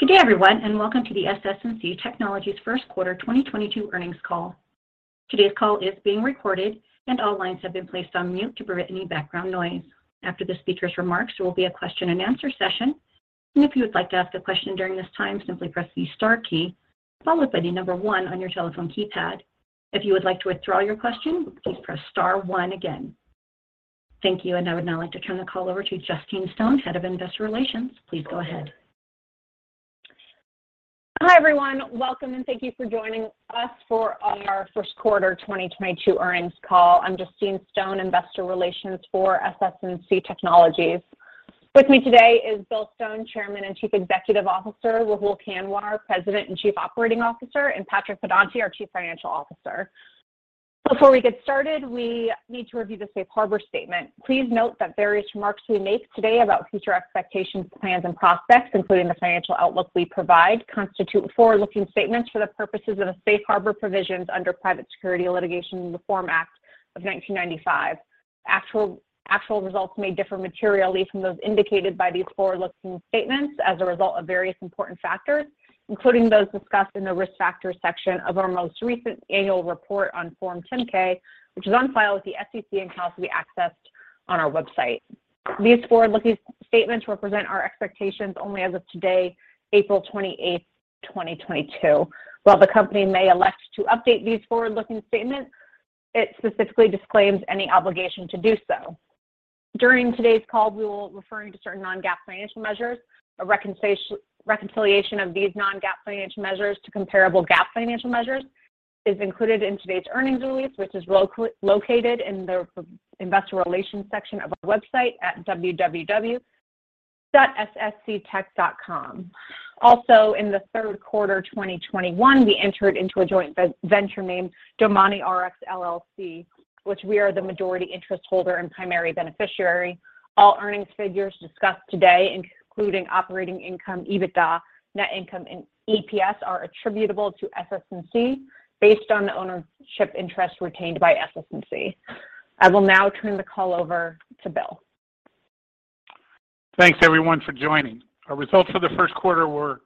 Good day, everyone, and welcome to the SS&C Technologies first quarter 2022 earnings call. Today's call is being recorded, and all lines have been placed on mute to prevent any background noise. After the speakers' remarks, there will be a question-and-answer session. If you would like to ask a question during this time, simply press the star key followed by the number one on your telephone keypad. If you would like to withdraw your question, please press star one again. Thank you, and I would now like to turn the call over to Justine Stone, Head of Investor Relations. Please go ahead. Hi, everyone. Welcome, and thank you for joining us for our first-quarter 2022 earnings call. I'm Justine Stone, Investor Relations for SS&C Technologies. With me today is Bill Stone, Chairman and Chief Executive Officer; Rahul Kanwar, President and Chief Operating Officer; and Patrick Pedonti, our Chief Financial Officer. Before we get started, we need to review the safe harbor statement. Please note that various remarks we make today about future expectations, plans, and prospects, including the financial outlook we provide, constitute forward-looking statements for the purposes of the safe harbor provisions under Private Securities Litigation Reform Act of 1995. Actual results may differ materially from those indicated by these forward-looking statements as a result of various important factors, including those discussed in the risk factor section of our most recent annual report on Form 10-K, which is on file with the SEC and can also be accessed on our website. These forward-looking statements represent our expectations only as of today, April 28, 2022. While the company may elect to update these forward-looking statements, it specifically disclaims any obligation to do so. During today's call, we will be referring to certain non-GAAP financial measures. A reconciliation of these non-GAAP financial measures to comparable GAAP financial measures is included in today's earnings release, which is located in the investor relations section of our website at www.ssctech.com. Also, in the third quarter 2021, we entered into a joint venture named DomaniRx, LLC, which we are the majority interest holder and primary beneficiary. All earnings figures discussed today, including operating income, EBITDA, net income, and EPS, are attributable to SS&C based on the ownership interest retained by SS&C. I will now turn the call over to Bill. Thanks, everyone, for joining. Our results for the first quarter were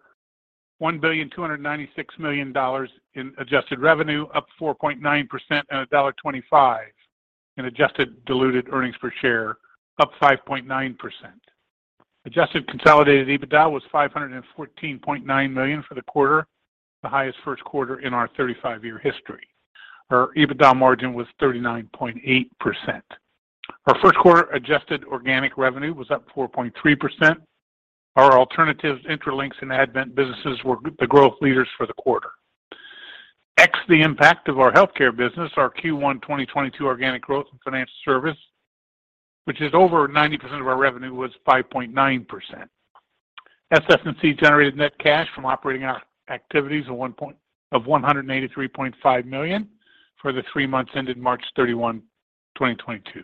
$1.296 billion in adjusted revenue, up 4.9%, and $1.25 in adjusted diluted earnings per share, up 5.9%. Adjusted consolidated EBITDA was $514.9 million for the quarter, the highest first quarter in our 35-year history. Our EBITDA margin was 39.8%. Our first quarter adjusted organic revenue was up 4.3%. Our alternatives, Intralinks, and Advent businesses were the growth leaders for the quarter. Ex the impact of our healthcare business, our Q1 2022 organic growth in financial services, which is over 90% of our revenue, was 5.9%. SS&C generated net cash from operating activities of $183.5 million for the three months ended March 31, 2022.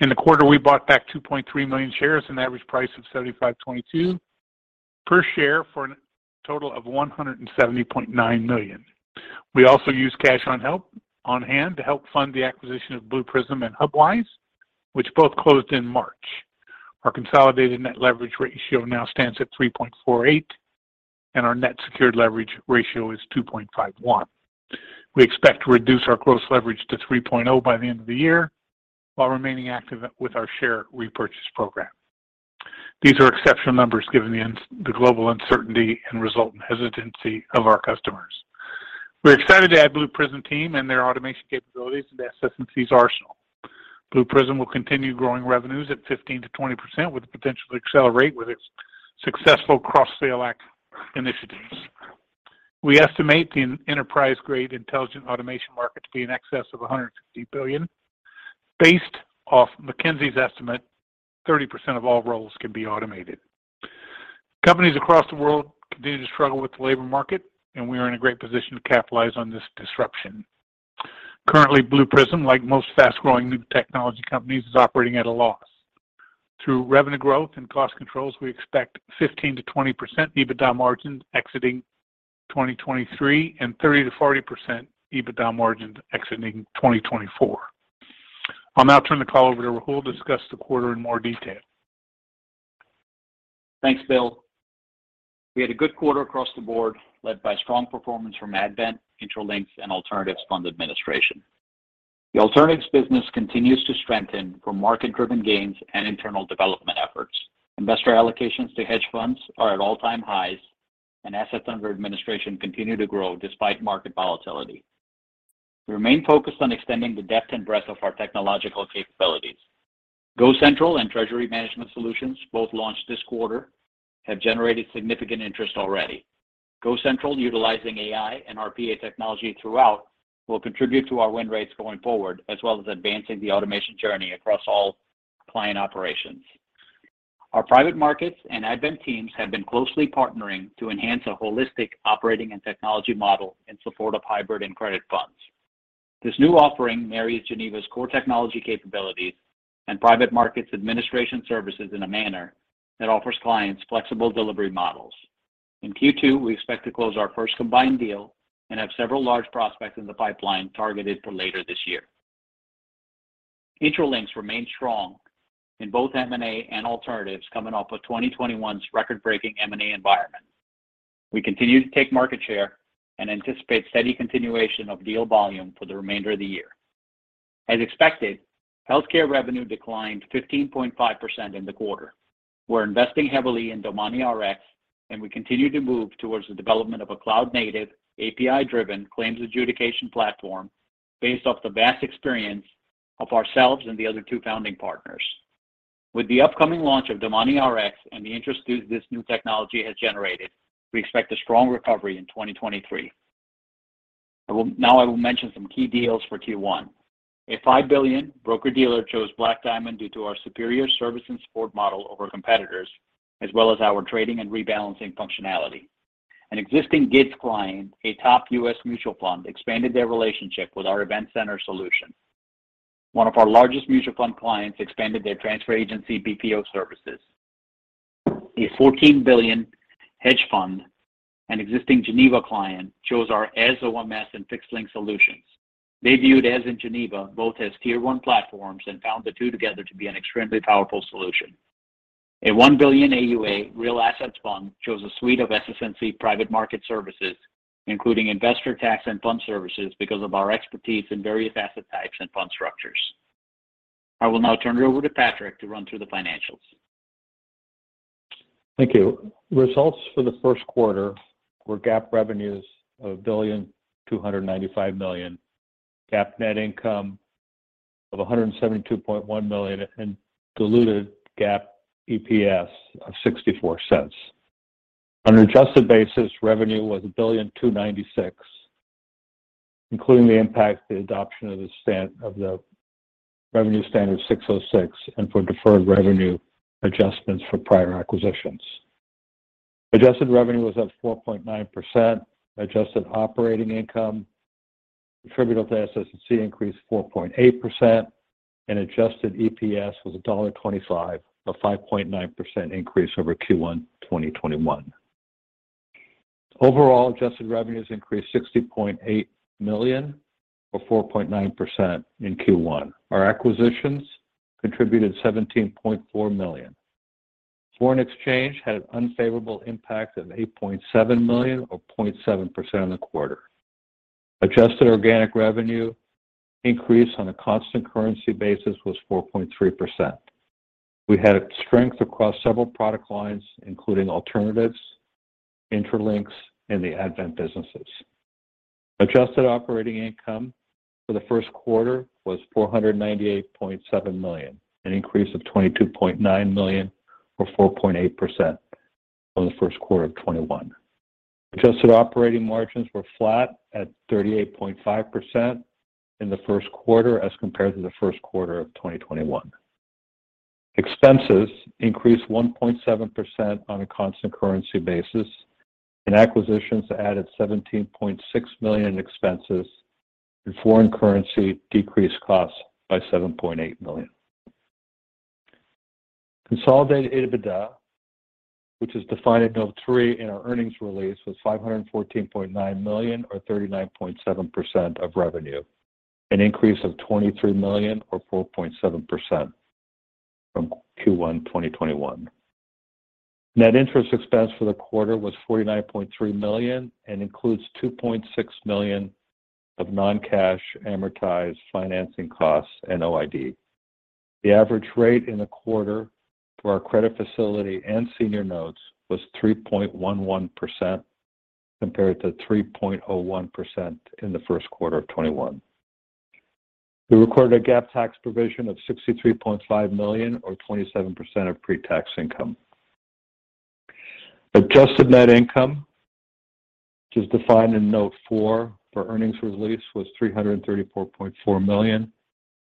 In the quarter, we bought back 2.3 million shares at an average price of $75.22 per share for a total of $170.9 million. We also used cash on hand to help fund the acquisition of Blue Prism and Hubwise, which both closed in March. Our consolidated net leverage ratio now stands at 3.48, and our net secured leverage ratio is 2.51. We expect to reduce our gross leverage to 3.0 by the end of the year while remaining active with our share repurchase program. These are exceptional numbers given the global uncertainty and resultant hesitancy of our customers. We're excited to add Blue Prism team and their automation capabilities into SS&C's arsenal. Blue Prism will continue growing revenues at 15%-20% with the potential to accelerate with its successful cross-sale initiatives. We estimate the enterprise-grade intelligent automation market to be in excess of $160 billion. Based off McKinsey's estimate, 30% of all roles can be automated. Companies across the world continue to struggle with the labor market, and we are in a great position to capitalize on this disruption. Currently, Blue Prism, like most fast-growing new technology companies, is operating at a loss. Through revenue growth and cost controls, we expect 15%-20% EBITDA margins exiting 2023 and 30%-40% EBITDA margins exiting 2024. I'll now turn the call over to Rahul to discuss the quarter in more detail. Thanks, Bill. We had a good quarter across the board, led by strong performance from Advent, Intralinks, and Alternatives Fund Administration. The alternatives business continues to strengthen from market-driven gains and internal development efforts. Investor allocations to hedge funds are at all-time highs, and assets under administration continue to grow despite market volatility. We remain focused on extending the depth and breadth of our technological capabilities. GoCentral and Treasury Management Solutions, both launched this quarter, have generated significant interest already. GoCentral, utilizing AI and RPA technology throughout, will contribute to our win rates going forward, as well as advancing the automation journey across all client operations. Our private markets and Advent teams have been closely partnering to enhance a holistic operating and technology model in support of hybrid and credit funds. This new offering marries Geneva's core technology capabilities and private markets administration services in a manner that offers clients flexible delivery models. In Q2, we expect to close our first combined deal and have several large prospects in the pipeline targeted for later this year. Intralinks remained strong in both M&A and alternatives coming off of 2021's record-breaking M&A environment. We continue to take market share and anticipate steady continuation of deal volume for the remainder of the year. As expected, healthcare revenue declined 15.5% in the quarter. We're investing heavily in DomaniRx, and we continue to move towards the development of a cloud-native, API-driven claims adjudication platform based off the vast experience of ourselves and the other two founding partners. With the upcoming launch of DomaniRx and the interest this new technology has generated, we expect a strong recovery in 2023. Now I will mention some key deals for Q1. A $5 billion broker-dealer chose Black Diamond due to our superior service and support model over competitors, as well as our trading and rebalancing functionality. An existing GIDS client, a top U.S. mutual fund, expanded their relationship with our Event Center solution. One of our largest mutual fund clients expanded its transfer agency BPO services. A $14 billion hedge fund and existing Geneva client chose our Eze OMS and FIXLink solutions. They viewed Eze and Geneva both as tier one platforms and found the two together to be an extremely powerful solution. A $1 billion AUA real assets fund chose a suite of SS&C private market services, including investor tax and fund services, because of our expertise in various asset types and fund structures. I will now turn it over to Patrick to run through the financials. Thank you. Results for the first quarter were GAAP revenues of $1.295 billion, GAAP net income of $172.1 million, and diluted GAAP EPS of $0.64. On an adjusted basis, revenue was $1.296 billion, including the impact of the adoption of the revenue standard 606 and for deferred revenue adjustments for prior acquisitions. Adjusted revenue was up 4.9%. Adjusted operating income attributable to SS&C increased 4.8% and adjusted EPS was $1.25, a 5.9% increase over Q1 2021. Overall, adjusted revenues increased $60.8 million or 4.9% in Q1. Our acquisitions contributed $17.4 million. Foreign exchange had an unfavorable impact of $8.7 million or 0.7% in the quarter. Adjusted organic revenue increase on a constant currency basis was 4.3%. We had strength across several product lines, including alternatives, Intralinks, and the Advent businesses. Adjusted operating income for the first quarter was $498.7 million, an increase of $22.9 million or 4.8% from the first quarter of 2021. Adjusted operating margins were flat at 38.5% in the first quarter as compared to the first quarter of 2021. Expenses increased 1.7% on a constant currency basis, and acquisitions added $17.6 million in expenses, and foreign currency decreased costs by $7.8 million. Consolidated EBITDA, which is defined in note three in our earnings release, was $514.9 million or 39.7% of revenue, an increase of $23 million or 4.7% from Q1 2021. Net interest expense for the quarter was $49.3 million and includes $2.6 million of non-cash amortized financing costs and OID. The average rate in the quarter for our credit facility and senior notes was 3.11% compared to 3.01% in the first quarter of 2021. We recorded a GAAP tax provision of $63.5 million or 27% of pre-tax income. Adjusted net income, which is defined in note 4 for earnings release, was $334.4 million,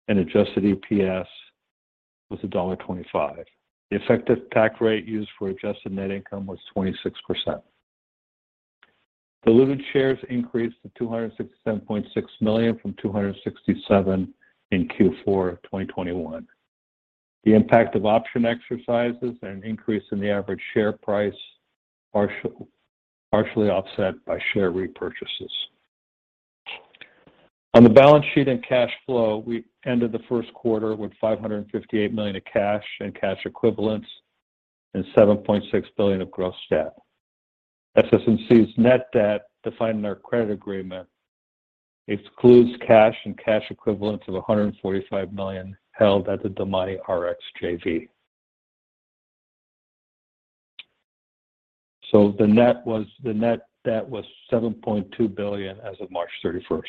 and adjusted EPS was $1.25. The effective tax rate used for adjusted net income was 26%. Diluted shares increased to 267.6 million from 267 in Q4 of 2021. The impact of option exercises and an increase in the average share price partially offset by share repurchases. On the balance sheet and cash flow, we ended the first quarter with $558 million of cash and cash equivalents and $7.6 billion of gross debt. SS&C's net debt, defined in our credit agreement, excludes cash and cash equivalents of $145 million held at the DomaniRx JV. The net debt was $7.2 billion as of March 31.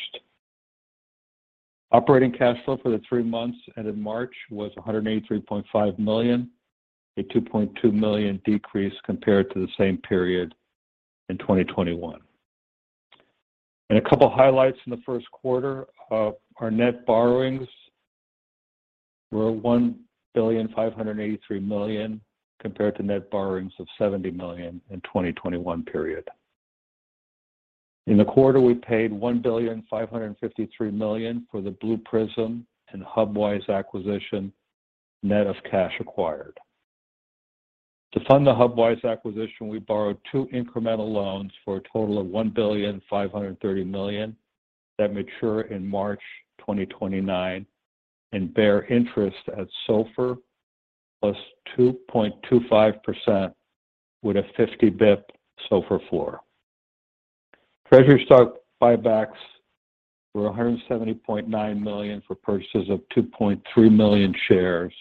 Operating cash flow for the three months ended March was $183.5 million, a $2.2 million decrease compared to the same period in 2021. A couple highlights in the first quarter. Our net borrowings were $1.583 billion compared to net borrowings of $70 million in 2021 period. In the quarter, we paid $1.553 billion for the Blue Prism and Hubwise acquisition, net of cash acquired. To fund the Hubwise acquisition, we borrowed two incremental loans for a total of $1.53 billion that mature in March 2029 and bear interest at SOFR plus 2.25% with a 50 basis points SOFR floor. Treasury stock buybacks were $170.9 million for purchases of 2.3 million shares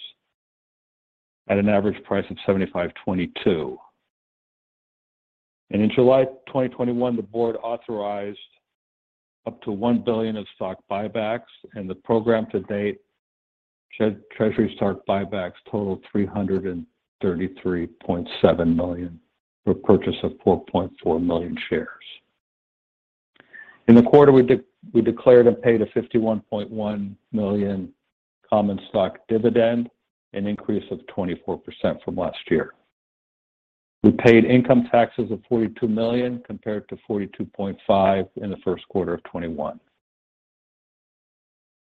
at an average price of $75.22. In July 2021, the board authorized up to $1 billion of stock buybacks, and to date, the program has totaled $333.7 million for purchase of 4.4 million shares. In the quarter, we declared and paid a $51.1 million common stock dividend, an increase of 24% from last year. We paid income taxes of $42 million compared to $42.5 million in the first quarter of 2021.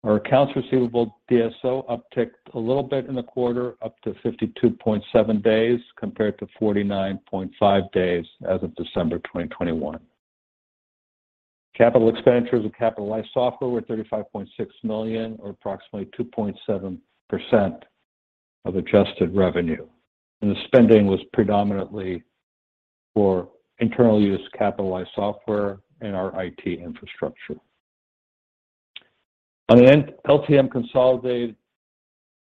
Our accounts receivable DSO upticked a little bit in the quarter up to 52.7 days, compared to 49.5 days as of December 2021. Capital expenditures of capitalized software were $35.6 million, or approximately 2.7% of adjusted revenue. The spending was predominantly for internal use capitalized software and our IT infrastructure. Our LTM consolidated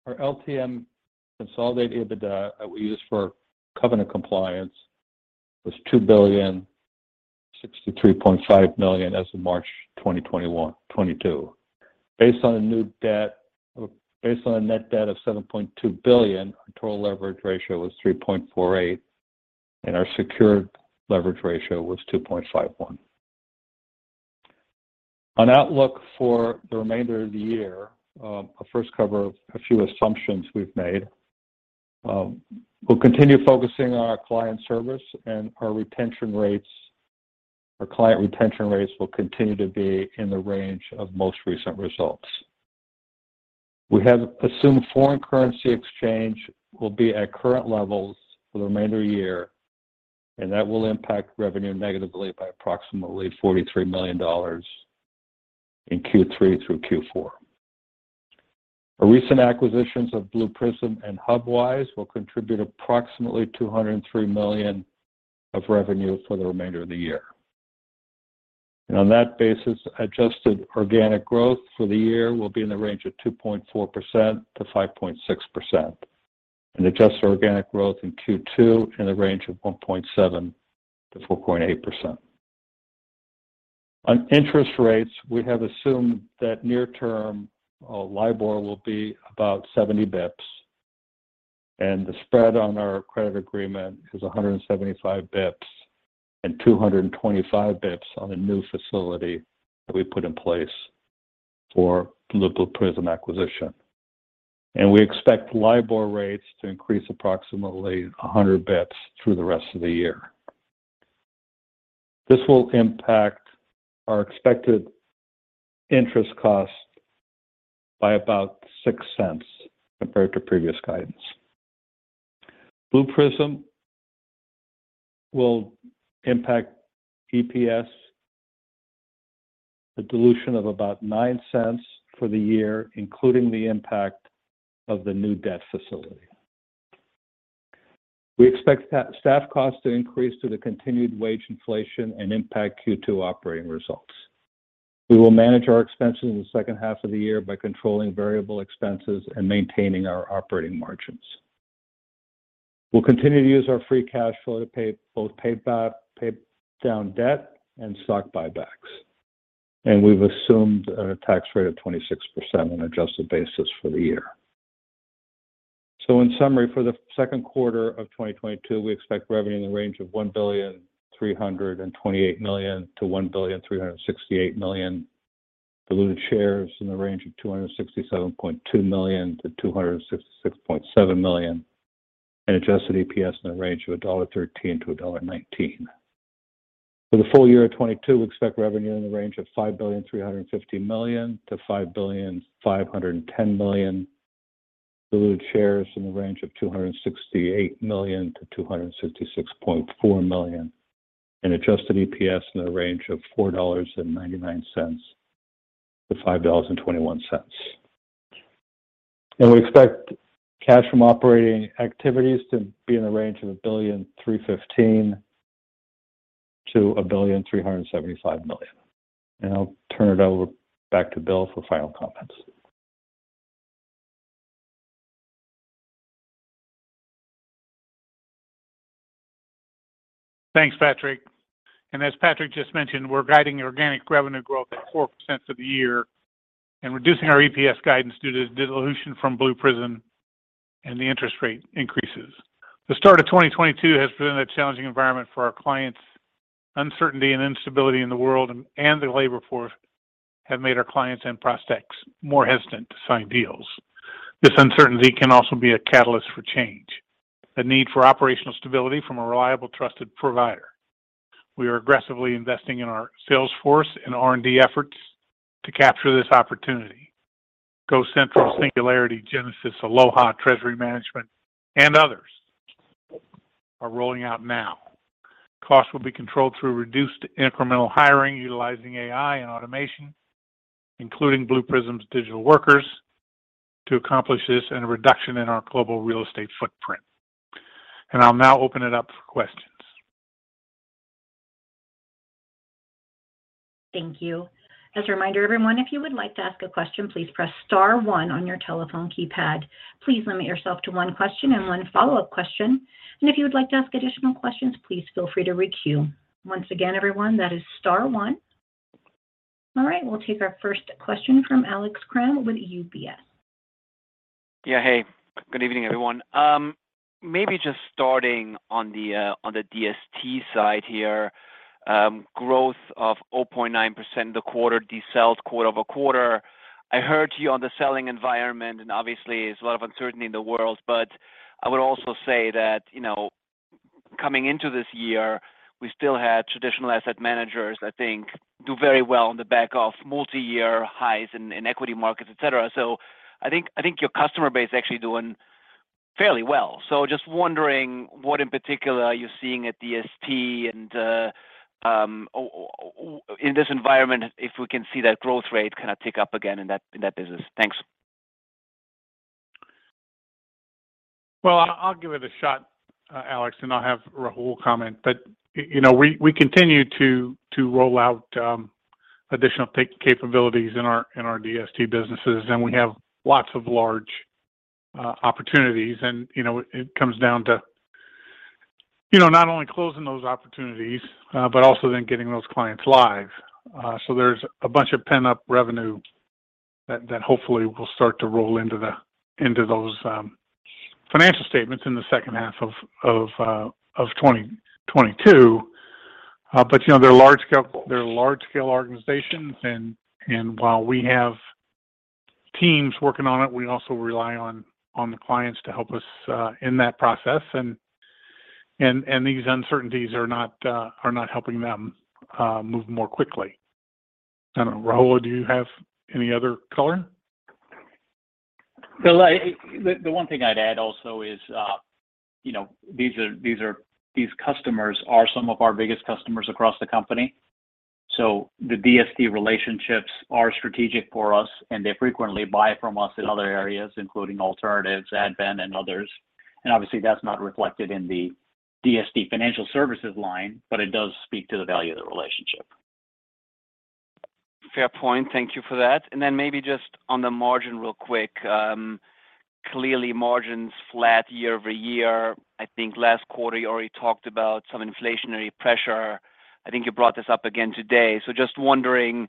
EBITDA that we use for covenant compliance was $2,063.5 million as of March 2022. Based on a net debt of $7.2 billion, our total leverage ratio was 3.48, and our secured leverage ratio was 2.51. Our outlook for the remainder of the year, I'll first cover a few assumptions we've made. We'll continue focusing on our client service and our retention rates. Our client retention rates will continue to be in the range of most recent results. We have assumed foreign currency exchange will be at current levels for the remainder of the year, and that will impact revenue negatively by approximately $43 million in Q3 through Q4. Our recent acquisitions of Blue Prism and Hubwise will contribute approximately $203 million of revenue for the remainder of the year. On that basis, adjusted organic growth for the year will be in the range of 2.4%-5.6%. Adjusted organic growth in Q2 in the range of 1.7%-4.8%. On interest rates, we have assumed that near term, LIBOR will be about 70 bps. The spread on our credit agreement is 175 bps and 225 bps on a new facility that we put in place for the Blue Prism acquisition. We expect LIBOR rates to increase approximately 100 basis points through the rest of the year. This will impact our expected interest cost by about $0.06 compared to previous guidance. Blue Prism will impact EPS, a dilution of about $0.09 for the year, including the impact of the new debt facility. We expect staff costs to increase due to continued wage inflation and impact Q2 operating results. We will manage our expenses in the second half of the year by controlling variable expenses and maintaining our operating margins. We'll continue to use our free cash flow to pay down debt and stock buybacks. We've assumed a tax rate of 26% on an adjusted basis for the year. In summary, for the second quarter of 2022, we expect revenue in the range of $1.328 -1.368 billion. Diluted shares in the range of 267.2 million-266.7 million. Adjusted EPS in the range of $1.13-$1.19. For the full year of 2022, we expect revenue in the range of $5.35 -5.51 billion. Diluted shares in the range of 268 million-266.4 million. Adjusted EPS in the range of $4.99-$5.21. We expect cash from operating activities to be in the range of $1.315 -1.375 billion. I'll turn it over back to Bill for final comments. Thanks, Patrick. As Patrick just mentioned, we're guiding organic revenue growth at 4% for the year and reducing our EPS guidance due to dilution from Blue Prism and the interest rate increases. The start of 2022 has been a challenging environment for our clients. Uncertainty and instability in the world and the labor force have made our clients and prospects more hesitant to sign deals. This uncertainty can also be a catalyst for change, a need for operational stability from a reliable, trusted provider. We are aggressively investing in our sales force and R&D efforts to capture this opportunity. GoCentral, Singularity, Genesis, Aloha, Treasury Management, and others are rolling out now. Costs will be controlled through reduced incremental hiring, utilizing AI and automation, including Blue Prism's digital workers to accomplish this, and a reduction in our global real estate footprint. I'll now open it up for questions. Thank you. As a reminder, everyone, if you would like to ask a question, please press star one on your telephone keypad. Please limit yourself to one question and one follow-up question. If you would like to ask additional questions, please feel free to re-queue. Once again, everyone, that is star one. All right, we'll take our first question from Alex Kramm with UBS. Yeah, hey. Good evening, everyone. Maybe just starting on the DST side here. Growth of 0.9% this quarter decelerates quarter-over-quarter. I heard you on the selling environment, and obviously there's a lot of uncertainty in the world. I would also say that, you know, coming into this year, we still had traditional asset managers, I think, do very well on the back of multi-year highs in equity markets, et cetera. I think your customer base is actually doing fairly well. Just wondering what in particular are you seeing at DST and in this environment, if we can see that growth rate kind of tick up again in that business? Thanks. Well, I'll give it a shot, Alex, and I'll have Rahul comment. You know, we continue to roll out additional capabilities in our DST businesses, and we have lots of large opportunities. You know, it comes down to you know not only closing those opportunities but also then getting those clients live. There's a bunch of pent-up revenue that hopefully will start to roll into those financial statements in the second half of 2022. You know, they're large scale organizations while we have teams working on it, we also rely on the clients to help us in that process. These uncertainties are not helping them move more quickly. I don't know, Rahul, do you have any other color? Well, the one thing I'd add also is, you know, these customers are some of our biggest customers across the company. The DST relationships are strategic for us, and they frequently buy from us in other areas, including alternatives, admin, and others. Obviously, that's not reflected in the DST financial services line, but it does speak to the value of the relationship. Fair point. Thank you for that. Then maybe just on the margin real quick. Clearly margins flat year over year. I think last quarter you already talked about some inflationary pressure. I think you brought this up again today. Just wondering,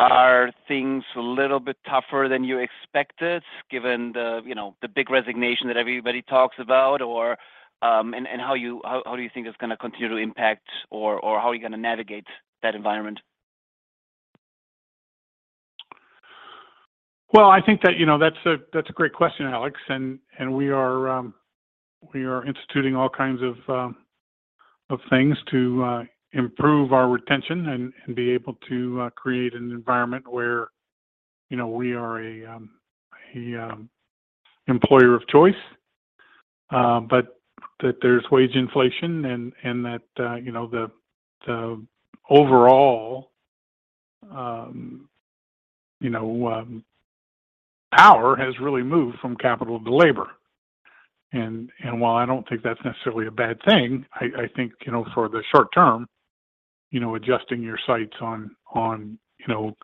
are things a little bit tougher than you expected given the, you know, the big resignation that everybody talks about or, and how do you think it's gonna continue to impact or, how are you gonna navigate that environment? Well, I think that, you know, that's a great question, Alex. We are instituting all kinds of things to improve our retention and be able to create an environment where, you know, we are an employer of choice. But there's wage inflation and that, you know, the overall power has really moved from capital to labor. While I don't think that's necessarily a bad thing, I think, you know, for the short term, you know, adjusting your sights on, you know,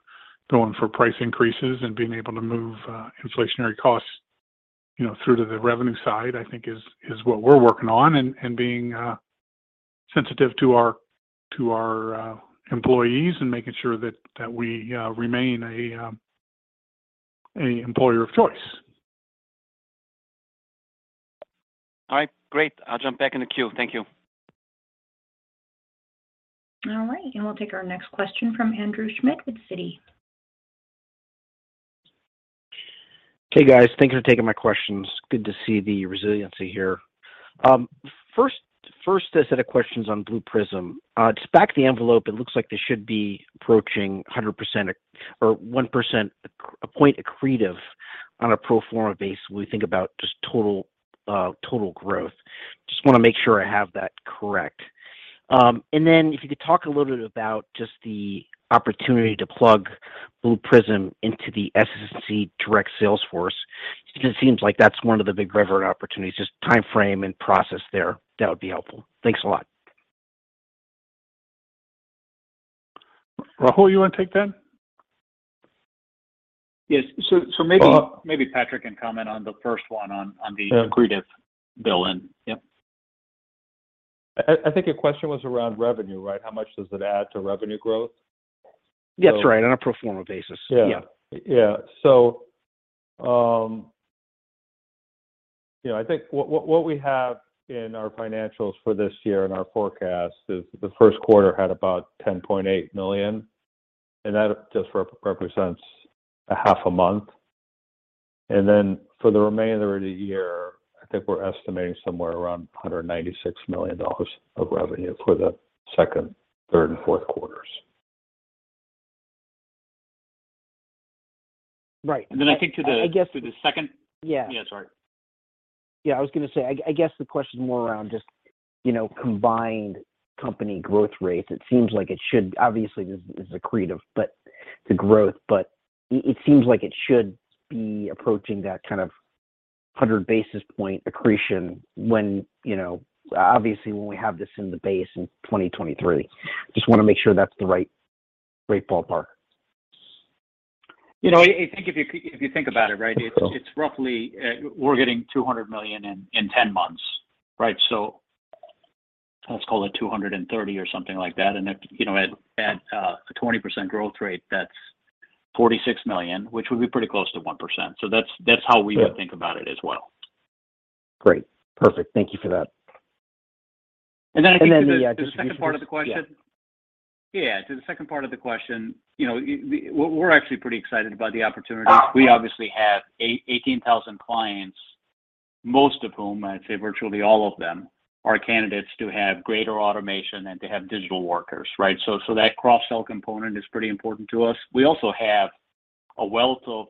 going for price increases and being able to move inflationary costs, you know, through to the revenue side, I think is what we're working on. Being sensitive to our employees and making sure that we remain a employer of choice. All right, great. I'll jump back in the queue. Thank you. All right. We'll take our next question from Andrew Schmidt with Citi. Hey, guys. Thank you for taking my questions. Good to see the resiliency here. First, a set of questions on Blue Prism. Just back of the envelope, it looks like this should be approaching 100% or 1%, 1 point accretive on a pro forma basis when we think about just total growth. Just wanna make sure I have that correct. Then if you could talk a little bit about just the opportunity to plug Blue Prism into the SS&C direct sales force, because it seems like that's one of the big revenue opportunities. Just timeframe and process there, that would be helpful. Thanks a lot. Rahul, you wanna take that? Yes. Uh- Maybe Patrick can comment on the first one. Yeah Accretive built in. Yep. I think your question was around revenue, right? How much does it add to revenue growth? That's right, on a pro forma basis. Yeah. Yeah. You know, I think what we have in our financials for this year and our forecast is the first quarter had about $10.8 million, and that just represents a half a month. Then for the remainder of the year I think we're estimating somewhere around $196 million of revenue for the second, third, and fourth quarters. Right. I think. I guess the- To the second- Yeah. Yeah, sorry. Yeah, I was gonna say, I guess the question is more around just, you know, combined company growth rates. It seems like it should. Obviously, this is accretive, but the growth. But it seems like it should be approaching that kind of 100 basis point accretion when, you know, obviously, when we have this in the base in 2023. Just wanna make sure that's the right ballpark. You know, I think if you think about it, right? It's roughly we're getting $200 million in 10 months, right? So let's call it $230 million or something like that. If you know at a 20% growth rate, that's $46 million, which would be pretty close to 1%. So that's how we would think about it as well. Great. Perfect. Thank you for that. Yeah, just- I think to the second part of the question. Yeah. Yeah, to the second part of the question, you know, we're actually pretty excited about the opportunity. We obviously have 18,000 clients, most of whom, I'd say virtually all of them, are candidates to have greater automation and to have digital workers, right? That cross-sell component is pretty important to us. We also have a wealth of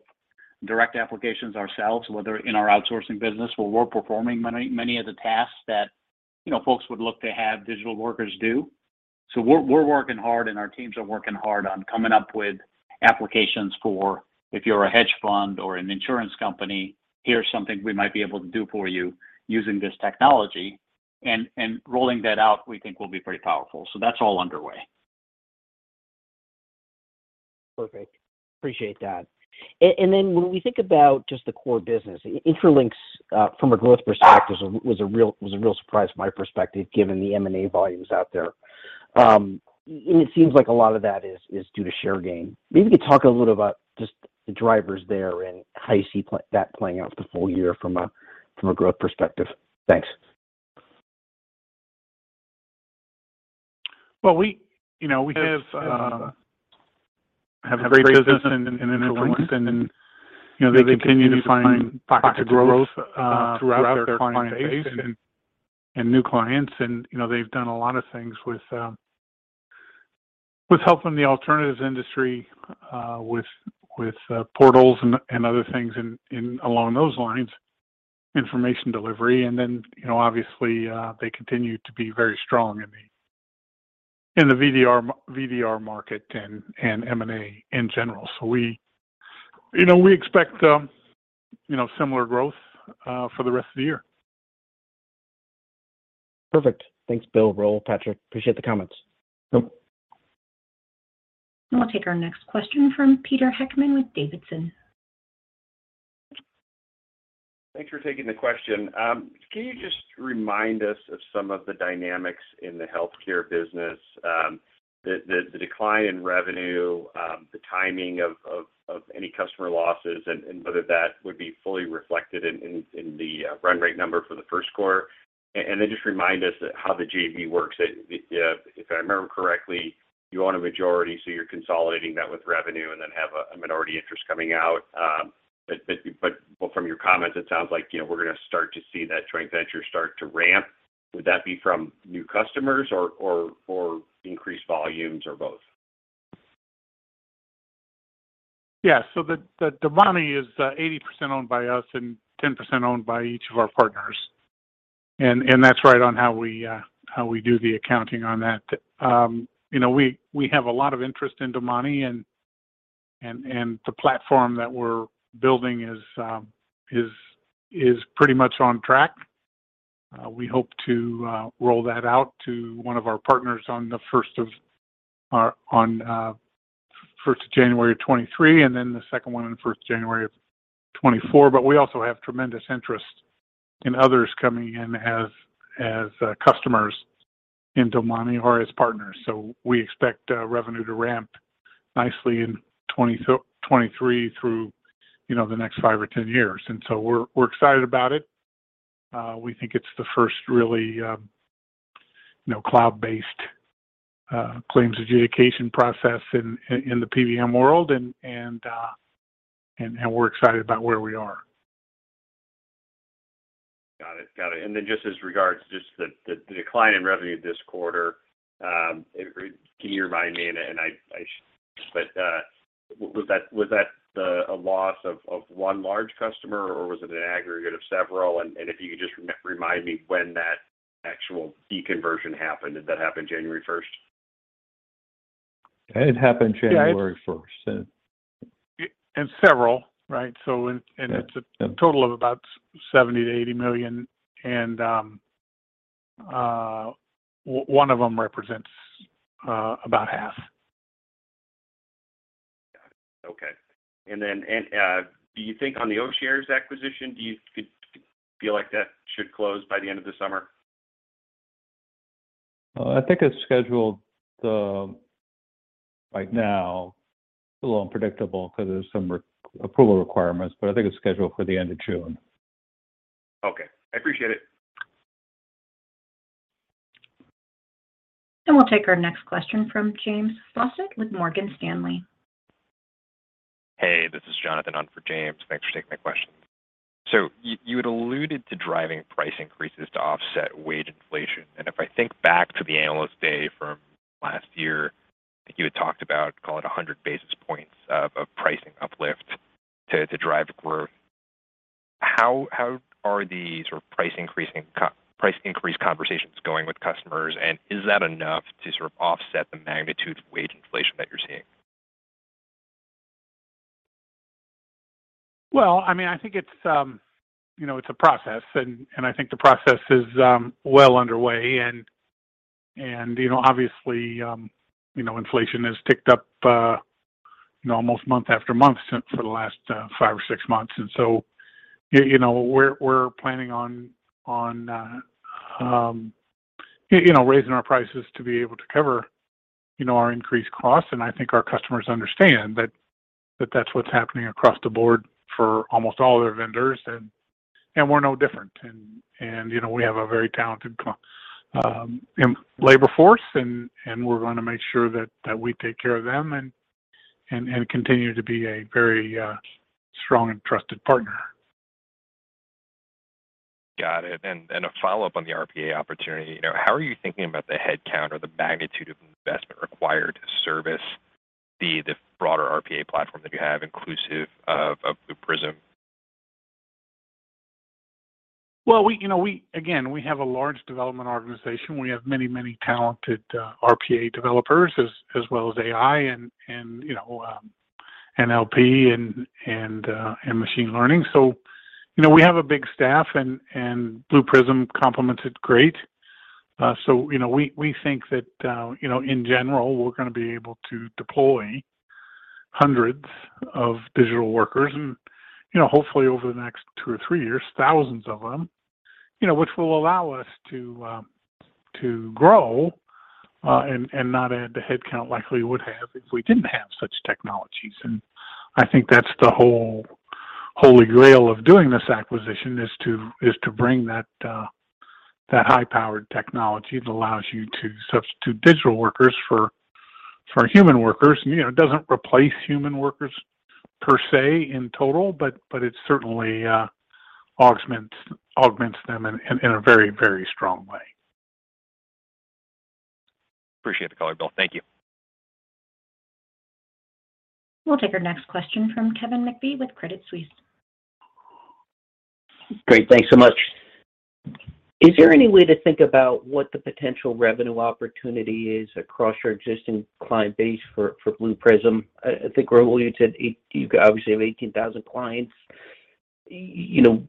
direct applications ourselves, whether in our outsourcing business, where we're performing many of the tasks that, you know, folks would look to have digital workers do. We're working hard, and our teams are working hard on coming up with applications for if you're a hedge fund or an insurance company, here's something we might be able to do for you using this technology. Rolling that out, we think will be pretty powerful. That's all underway. Perfect. Appreciate that. When we think about just the core business, Intralinks, from a growth perspective was a real surprise from my perspective, given the M&A volumes out there. It seems like a lot of that is due to share gain. Maybe you could talk a little about just the drivers there and how you see that playing out for the full year from a growth perspective. Thanks. Well, we have a great business in Intralinks, you know, and they continue to find pockets of growth throughout their client base and new clients. You know, they've done a lot of things with helping the alternatives industry with portals and other things along those lines, information delivery. You know, obviously, they continue to be very strong in the VDR market and M&A in general. We expect similar growth for the rest of the year. Perfect. Thanks, Bill, Raul, and Patrick. Appreciate the comments. Nope. We'll take our next question from Peter Heckmann with D.A. Davidson. Thanks for taking the question. Can you just remind us of some of the dynamics in the healthcare business, the decline in revenue, the timing of any customer losses, and whether that would be fully reflected in the run rate number for the first quarter? Just remind us how the JV works. If I remember correctly, you own a majority, so you're consolidating that with revenue and then have a minority interest coming out. Well, from your comments, it sounds like, you know, we're gonna start to see that joint venture start to ramp. Would that be from new customers or increased volumes or both? Yeah. The Domani is 80% owned by us and 10% owned by each of our partners. That's right on how we do the accounting on that. You know, we have a lot of interest in Domani and the platform that we're building is pretty much on track. We hope to roll that out to one of our partners on the first of January of 2023, and then the second one on the first of January of 2024. We also have tremendous interest in others coming in as customers into Domani or as partners. We expect revenue to ramp nicely in 2023 through, you know, the next five or 10 years. We're excited about it. We think it's the first really, you know, cloud-based claims adjudication process in the PBM world and we're excited about where we are. Got it. Then just as regards the decline in revenue this quarter, can you remind me, but was that a loss of one large customer, or was it an aggregate of several? If you could just remind me when that actual deconversion happened. Did that happen January 1st? It happened January 1st. Several, right? It's a total of about $70 -80 million, and one of them represents about half. Got it. Okay. Do you think on the O'Shares acquisition, do you feel like that should close by the end of the summer? I think it's scheduled, right now, it's a little unpredictable 'cause there's some re-approval requirements, but I think it's scheduled for the end of June. Okay. I appreciate it. We'll take our next question from James Faucette with Morgan Stanley. Hey, this is Jonathan on for James. Thanks for taking my question. You had alluded to driving price increases to offset wage inflation. If I think back to the Analyst Day from last year, I think you had talked about, call it 100 basis points of pricing uplift to drive growth. How are these sort of price increase conversations going with customers, and is that enough to sort of offset the magnitude of wage inflation that you're seeing? Well, I mean, I think it's, you know, it's a process and I think the process is well underway and, you know, obviously, you know, inflation has ticked up, you know, almost month after month for the last five or six months. You know, we're planning on raising our prices to be able to cover, you know, our increased costs, and I think our customers understand that that's what's happening across the board for almost all of their vendors and we're no different. You know, we have a very talented labor force and we're gonna make sure that we take care of them and continue to be a very strong and trusted partner. Got it. A follow-up on the RPA opportunity. You know, how are you thinking about the headcount or the magnitude of investment required to service the broader RPA platform that you have inclusive of Blue Prism? We have a large development organization. We have many talented RPA developers as well as AI and NLP and machine learning. We have a big staff and Blue Prism complements it great. We think that in general, we're gonna be able to deploy hundreds of digital workers and hopefully over the next two or three years, thousands of them, which will allow us to grow and not add the headcount likely would have if we didn't have such technologies. I think that's the whole holy grail of doing this acquisition, is to bring that high-powered technology that allows you to substitute digital workers for human workers. You know, it doesn't replace human workers per se in total, but it certainly augments them in a very strong way. Appreciate the color, Bill. Thank you. We'll take our next question from Kevin McVeigh with Credit Suisse. Great. Thanks so much. Is there any way to think about what the potential revenue opportunity is across your existing client base for Blue Prism? I think, Rahul, you obviously have 18,000 clients. You know,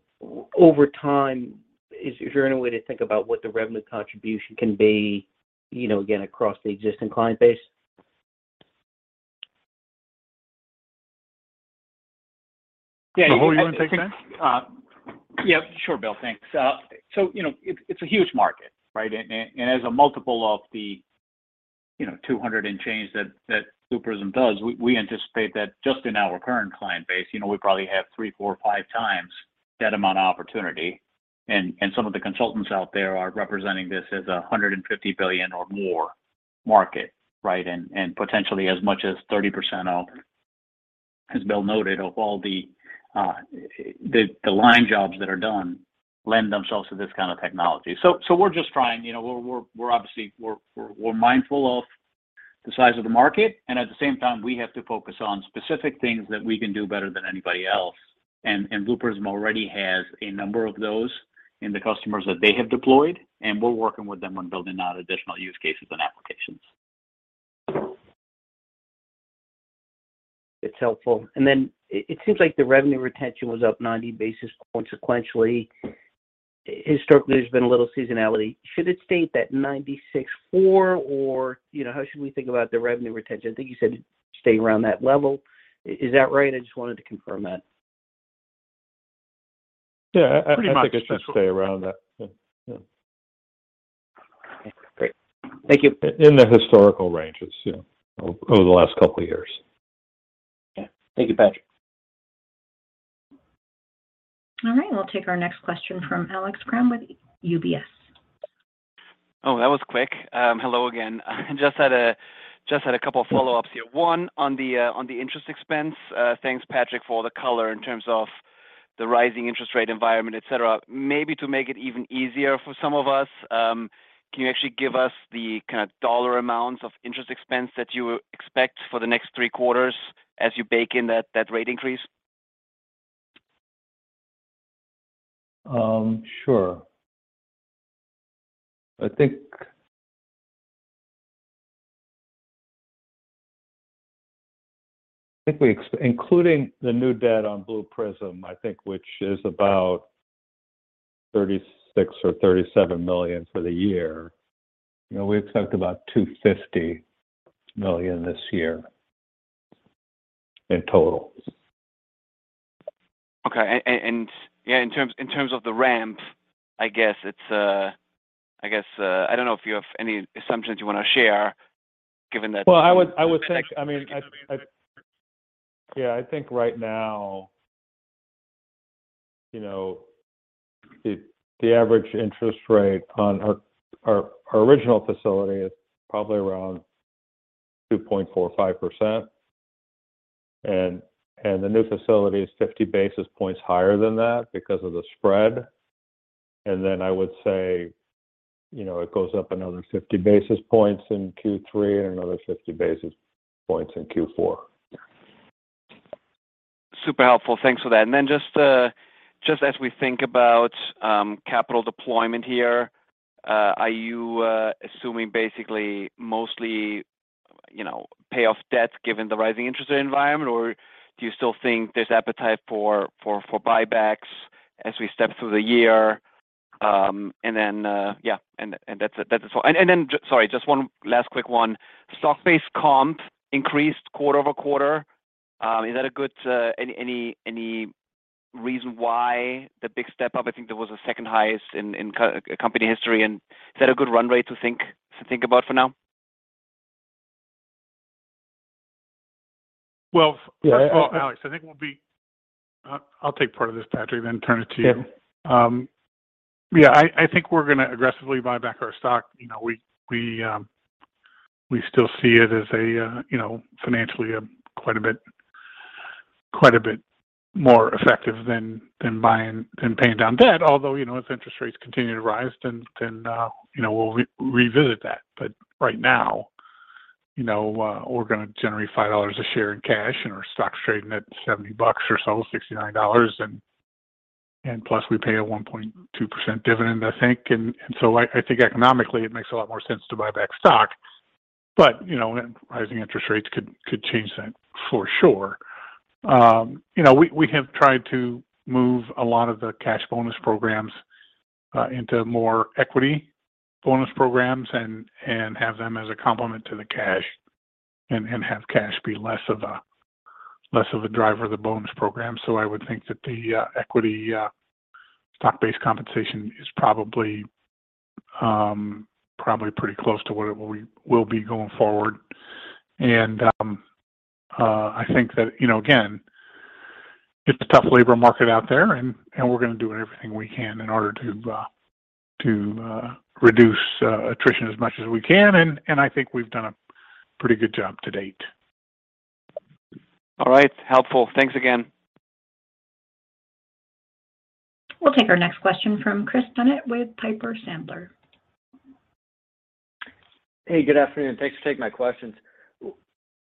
over time, is there any way to think about what the revenue contribution can be, you know, again, across the existing client base? Yeah, you wanna take that? Yeah, sure, Bill. Thanks. So, you know, it's a huge market, right? As a multiple of the, you know, $200 and change that Blue Prism does, we anticipate that just in our current client base, you know, we probably have three, four, five times that amount of opportunity. Some of the consultants out there are representing this as a $150 billion or more market, right? Potentially as much as 30% of, as Bill noted, of all the line jobs that are done lend themselves to this kind of technology. We're just trying, you know. We're obviously mindful of the size of the market, and at the same time, we have to focus on specific things that we can do better than anybody else. Blue Prism already has a number of those among the customers that they have deployed, and we're working with them on building out additional use cases and applications. It's helpful. It seems like the revenue retention was up 90 basis points sequentially. Historically, there's been a little seasonality. Should it stay at 96.4% or, you know, how should we think about the revenue retention? I think you said stay around that level. Is that right? I just wanted to confirm that. Yeah. Pretty much. think it should stay around that. Yeah, yeah. Okay, great. Thank you. In the historical ranges, yeah, over the last couple of years. Yeah. Thank you, Patrick. All right. We'll take our next question from Alex Kramm with UBS. Oh, that was quick. Hello again. Just had a couple follow-ups here. One, on the interest expense, thanks, Patrick, for the color in terms of the rising interest rate environment, et cetera. Maybe to make it even easier for some of us, can you actually give us the kind of dollar amounts of interest expense that you expect for the next three quarters as you bake in that rate increase? Sure. I think including the new debt on Blue Prism, I think, which is about $36 million or $37 million for the year, you know, we expect about $250 million this year in total. Yeah, in terms of the ramp, I guess I don't know if you have any assumptions you wanna share given that. Well, I would think, I mean, yeah, I think right now. You know, the average interest rate on our original facility is probably around 2.45%. The new facility is 50 basis points higher than that because of the spread. I would say, you know, it goes up another 50 basis points in Q3 and another 50 basis points in Q4. Super helpful. Thanks for that. Just as we think about capital deployment here, are you assuming basically mostly, you know, pay off debts given the rising interest rate environment? Or do you still think there's appetite for buybacks as we step through the year? Yeah, and that's it. So, sorry, just one last quick one. Stock-based comp increased quarter-over-quarter. Is that a good any reason why the big step up? I think that was the second highest in company history. Is that a good run rate to think about for now? Well, first of all, Alex, I'll take part of this, Patrick, then turn it to you. Yeah. Yeah, I think we're gonna aggressively buy back our stock. You know, we still see it as, you know, financially quite a bit more effective than paying down debt. Although, you know, as interest rates continue to rise, then you know, we'll revisit that. Right now, you know, we're gonna generate $5 a share in cash, and our stock's trading at $70 or so, $69. Plus we pay a 1.2% dividend, I think. So I think economically, it makes a lot more sense to buy back stock. You know, rising interest rates could change that for sure. You know, we have tried to move a lot of the cash bonus programs into more equity bonus programs and have them as a complement to the cash and have cash be less of a driver of the bonus program. I would think that the equity stock-based compensation is probably pretty close to what it will be going forward. I think that, you know, again, it's a tough labor market out there and we're gonna do everything we can in order to reduce attrition as much as we can. I think we've done a pretty good job to date. All right. Helpful. Thanks again. We'll take our next question from Chris Bennett with Piper Sandler. Hey, good afternoon. Thanks for taking my questions.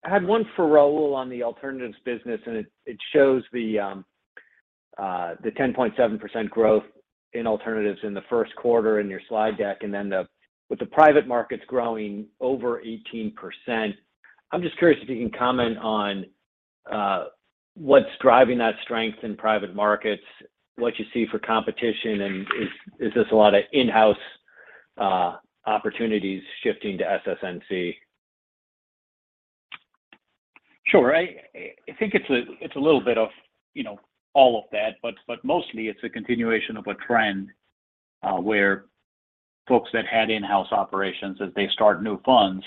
I had one for Rahul on the alternatives business, and it shows the 10.7% growth in alternatives in the first quarter in your slide deck. With the private markets growing over 18%, I'm just curious if you can comment on what's driving that strength in private markets, what you see for competition, and is this a lot of in-house opportunities shifting to SS&C? Sure. I think it's a little bit of, you know, all of that, but mostly it's a continuation of a trend where folks that had in-house operations, as they start new funds,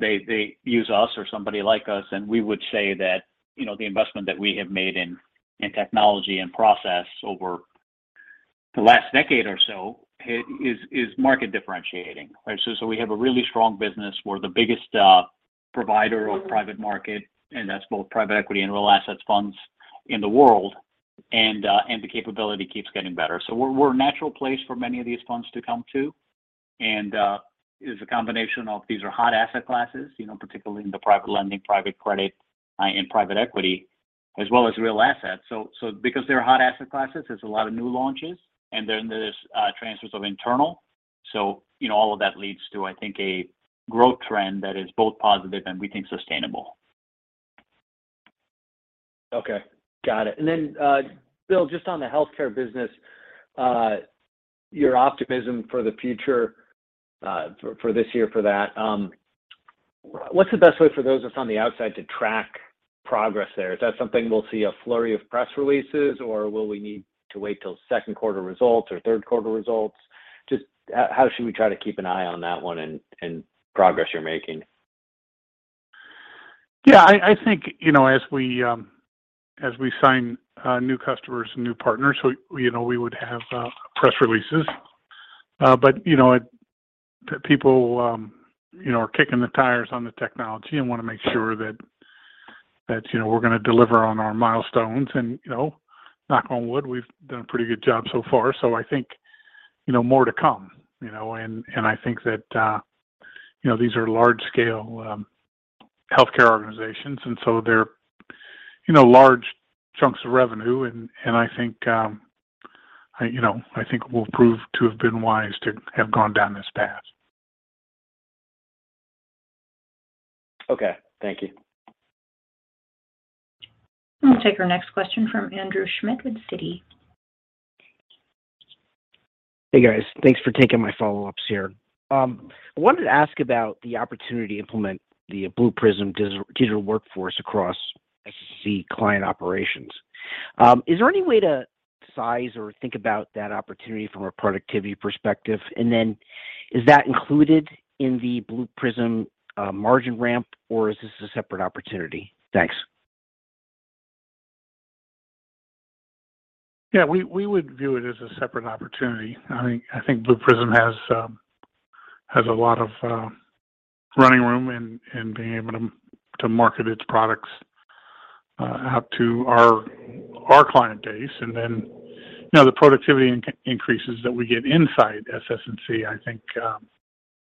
they use us or somebody like us. We would say that the investment that we have made in technology and process over the last decade or so is market differentiating, right? We have a really strong business. We're the biggest provider of private market, and that's both private equity and real assets funds in the world. The capability keeps getting better. We're a natural place for many of these funds to come to. It's a combination of these are hot asset classes, you know, particularly in the private lending, private credit, and private equity, as well as real assets. Because they're hot asset classes, there's a lot of new launches, and then there's transfers of internal. You know, all of that leads to, I think, a growth trend that is both positive and we think sustainable. Okay. Got it. Bill, just on the healthcare business, your optimism for the future for this year for that, what's the best way for those of us on the outside to track progress there? Is that something we'll see a flurry of press releases, or will we need to wait till second quarter results or third quarter results? Just how should we try to keep an eye on that one and progress you're making? Yeah, I think, you know, as we sign new customers and new partners, we would have press releases. You know, people, you know, are kicking the tires on the technology and wanna make sure that, you know, we're gonna deliver on our milestones. You know, knock on wood, we've done a pretty good job so far. I think, you know, more to come, you know. I think that, you know, these are large scale healthcare organizations, and so they're, you know, large chunks of revenue. I think, you know, I think we'll prove to have been wise to have gone down this path. Okay. Thank you. We'll take our next question from Andrew Schmidt with Citi. Hey, guys. Thanks for taking my follow-ups here. I wanted to ask about the opportunity to implement the Blue Prism digital workforce across SS&C client operations. Is there any way to size or think about that opportunity from a productivity perspective? Is that included in the Blue Prism margin ramp, or is this a separate opportunity? Thanks. Yeah, we would view it as a separate opportunity. I think Blue Prism has a lot of running room in being able to market its products out to our client base. You know, the productivity increases that we get inside SS&C, I think,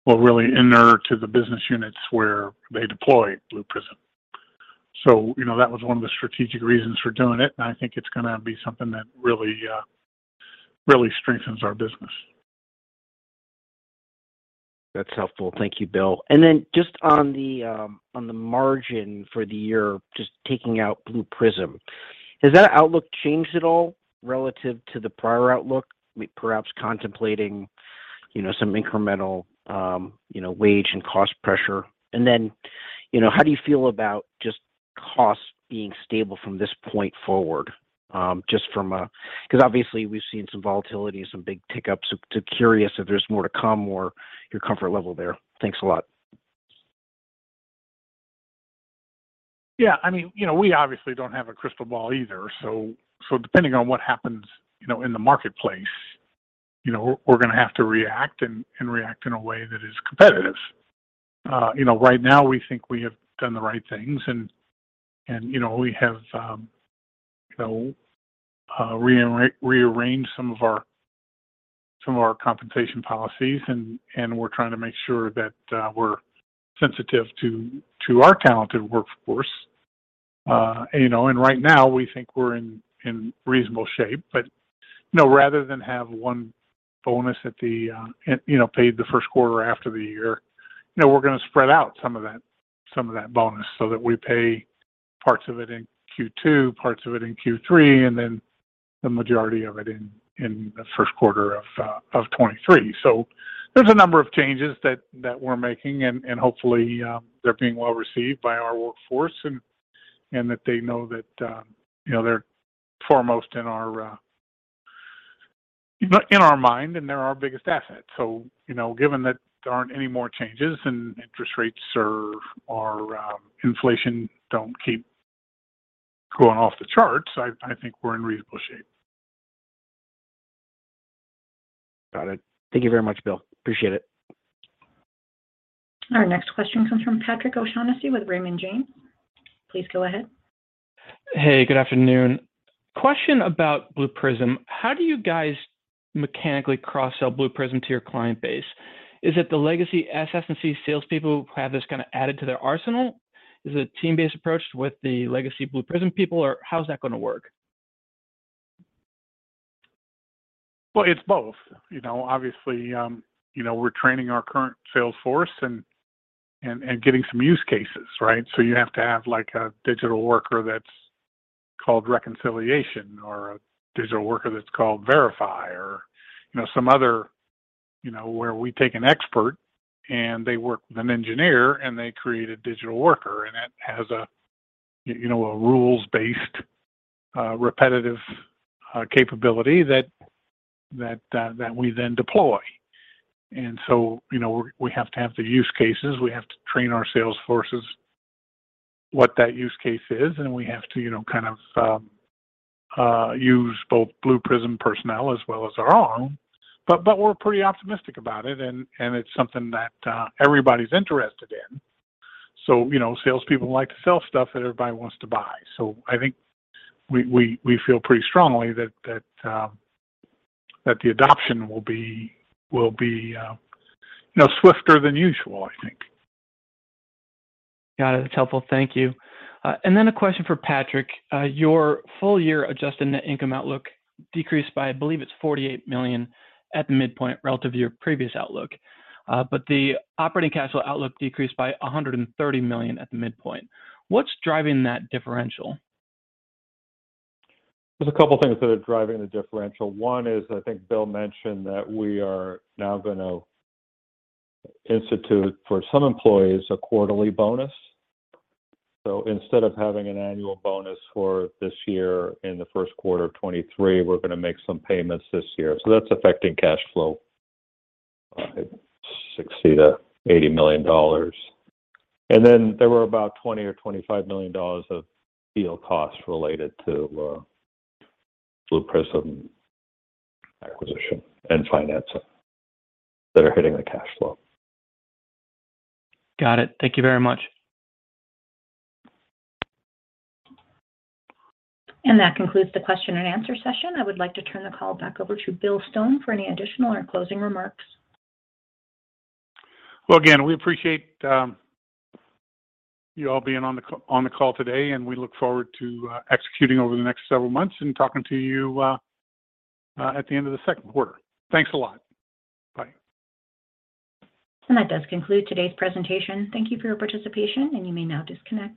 will really inure to the business units where they deploy Blue Prism. You know, that was one of the strategic reasons for doing it, and I think it's gonna be something that really strengthens our business. That's helpful. Thank you, Bill. Just on the margin for the year, just taking out Blue Prism. Has that outlook changed at all relative to the prior outlook? We perhaps contemplating, you know, some incremental, you know, wage and cost pressure. Then, you know, how do you feel about just costs being stable from this point forward? Just from a 'Cause obviously we've seen some volatility and some big tick-ups. Curious if there's more to come or your comfort level there. Thanks a lot. Yeah, I mean, you know, we obviously don't have a crystal ball either, so depending on what happens, you know, in the marketplace, you know, we're gonna have to react and react in a way that is competitive. You know, right now we think we have done the right things and, you know, we have rearranged some of our compensation policies and we're trying to make sure that we're sensitive to our talented workforce. You know, right now we think we're in reasonable shape. Rather than have one bonus paid in the first quarter after the year, you know, we're gonna spread out some of that bonus so that we pay parts of it in Q2, parts of it in Q3, and then the majority of it in the first quarter of 2023. There's a number of changes that we're making and hopefully they're being well received by our workforce and that they know that, you know, they're foremost in our mind, and they're our biggest asset. Given that there aren't any more changes and interest rates or inflation don't keep going off the charts, I think we're in reasonable shape. Got it. Thank you very much, Bill. Appreciate it. Our next question comes from Patrick O'Shaughnessy with Raymond James. Please go ahead. Hey, good afternoon. Question about Blue Prism. How do you guys mechanically cross-sell Blue Prism to your client base? Is it the legacy SS&C salespeople who have this kinda added to their arsenal? Is it a team-based approach with the legacy Blue Prism people, or how's that gonna work? Well, it's both. You know, obviously, you know, we're training our current sales force and getting some use cases, right? You have to have like a digital worker that's called Reconciliation or a digital worker that's called Verifier. You know, some other, you know, where we take an expert and they work with an engineer and they create a digital worker, and that has a, you know, a rules-based, repetitive capability that we then deploy. You know, we have to have the use cases, we have to train our sales forces what that use case is, and we have to, you know, kind of, use both Blue Prism personnel as well as our own. We're pretty optimistic about it and it's something that everybody's interested in. You know, salespeople like to sell stuff that everybody wants to buy. I think we feel pretty strongly that the adoption will be you know swifter than usual, I think. Got it. That's helpful. Thank you. A question for Patrick. Your full year adjusted net income outlook decreased by, I believe it's $48 million at the midpoint relative to your previous outlook. The operating cash flow outlook decreased by $130 million at the midpoint. What's driving that differential? There's a couple things that are driving the differential. One is, I think Bill mentioned that we are now gonna institute, for some employees, a quarterly bonus. Instead of having an annual bonus for this year in the first quarter of 2023, we're gonna make some payments this year. That's affecting cash flow $6 -80 million. Then there were about $20 million or $25 million of deal costs related to Blue Prism acquisition and financing that are hitting the cash flow. Got it. Thank you very much. That concludes the question and answer session. I would like to turn the call back over to Bill Stone for any additional or closing remarks. Well, again, we appreciate you all being on the call today, and we look forward to executing over the next several months and talking to you at the end of the second quarter. Thanks a lot. Bye. That does conclude today's presentation. Thank you for your participation, and you may now disconnect.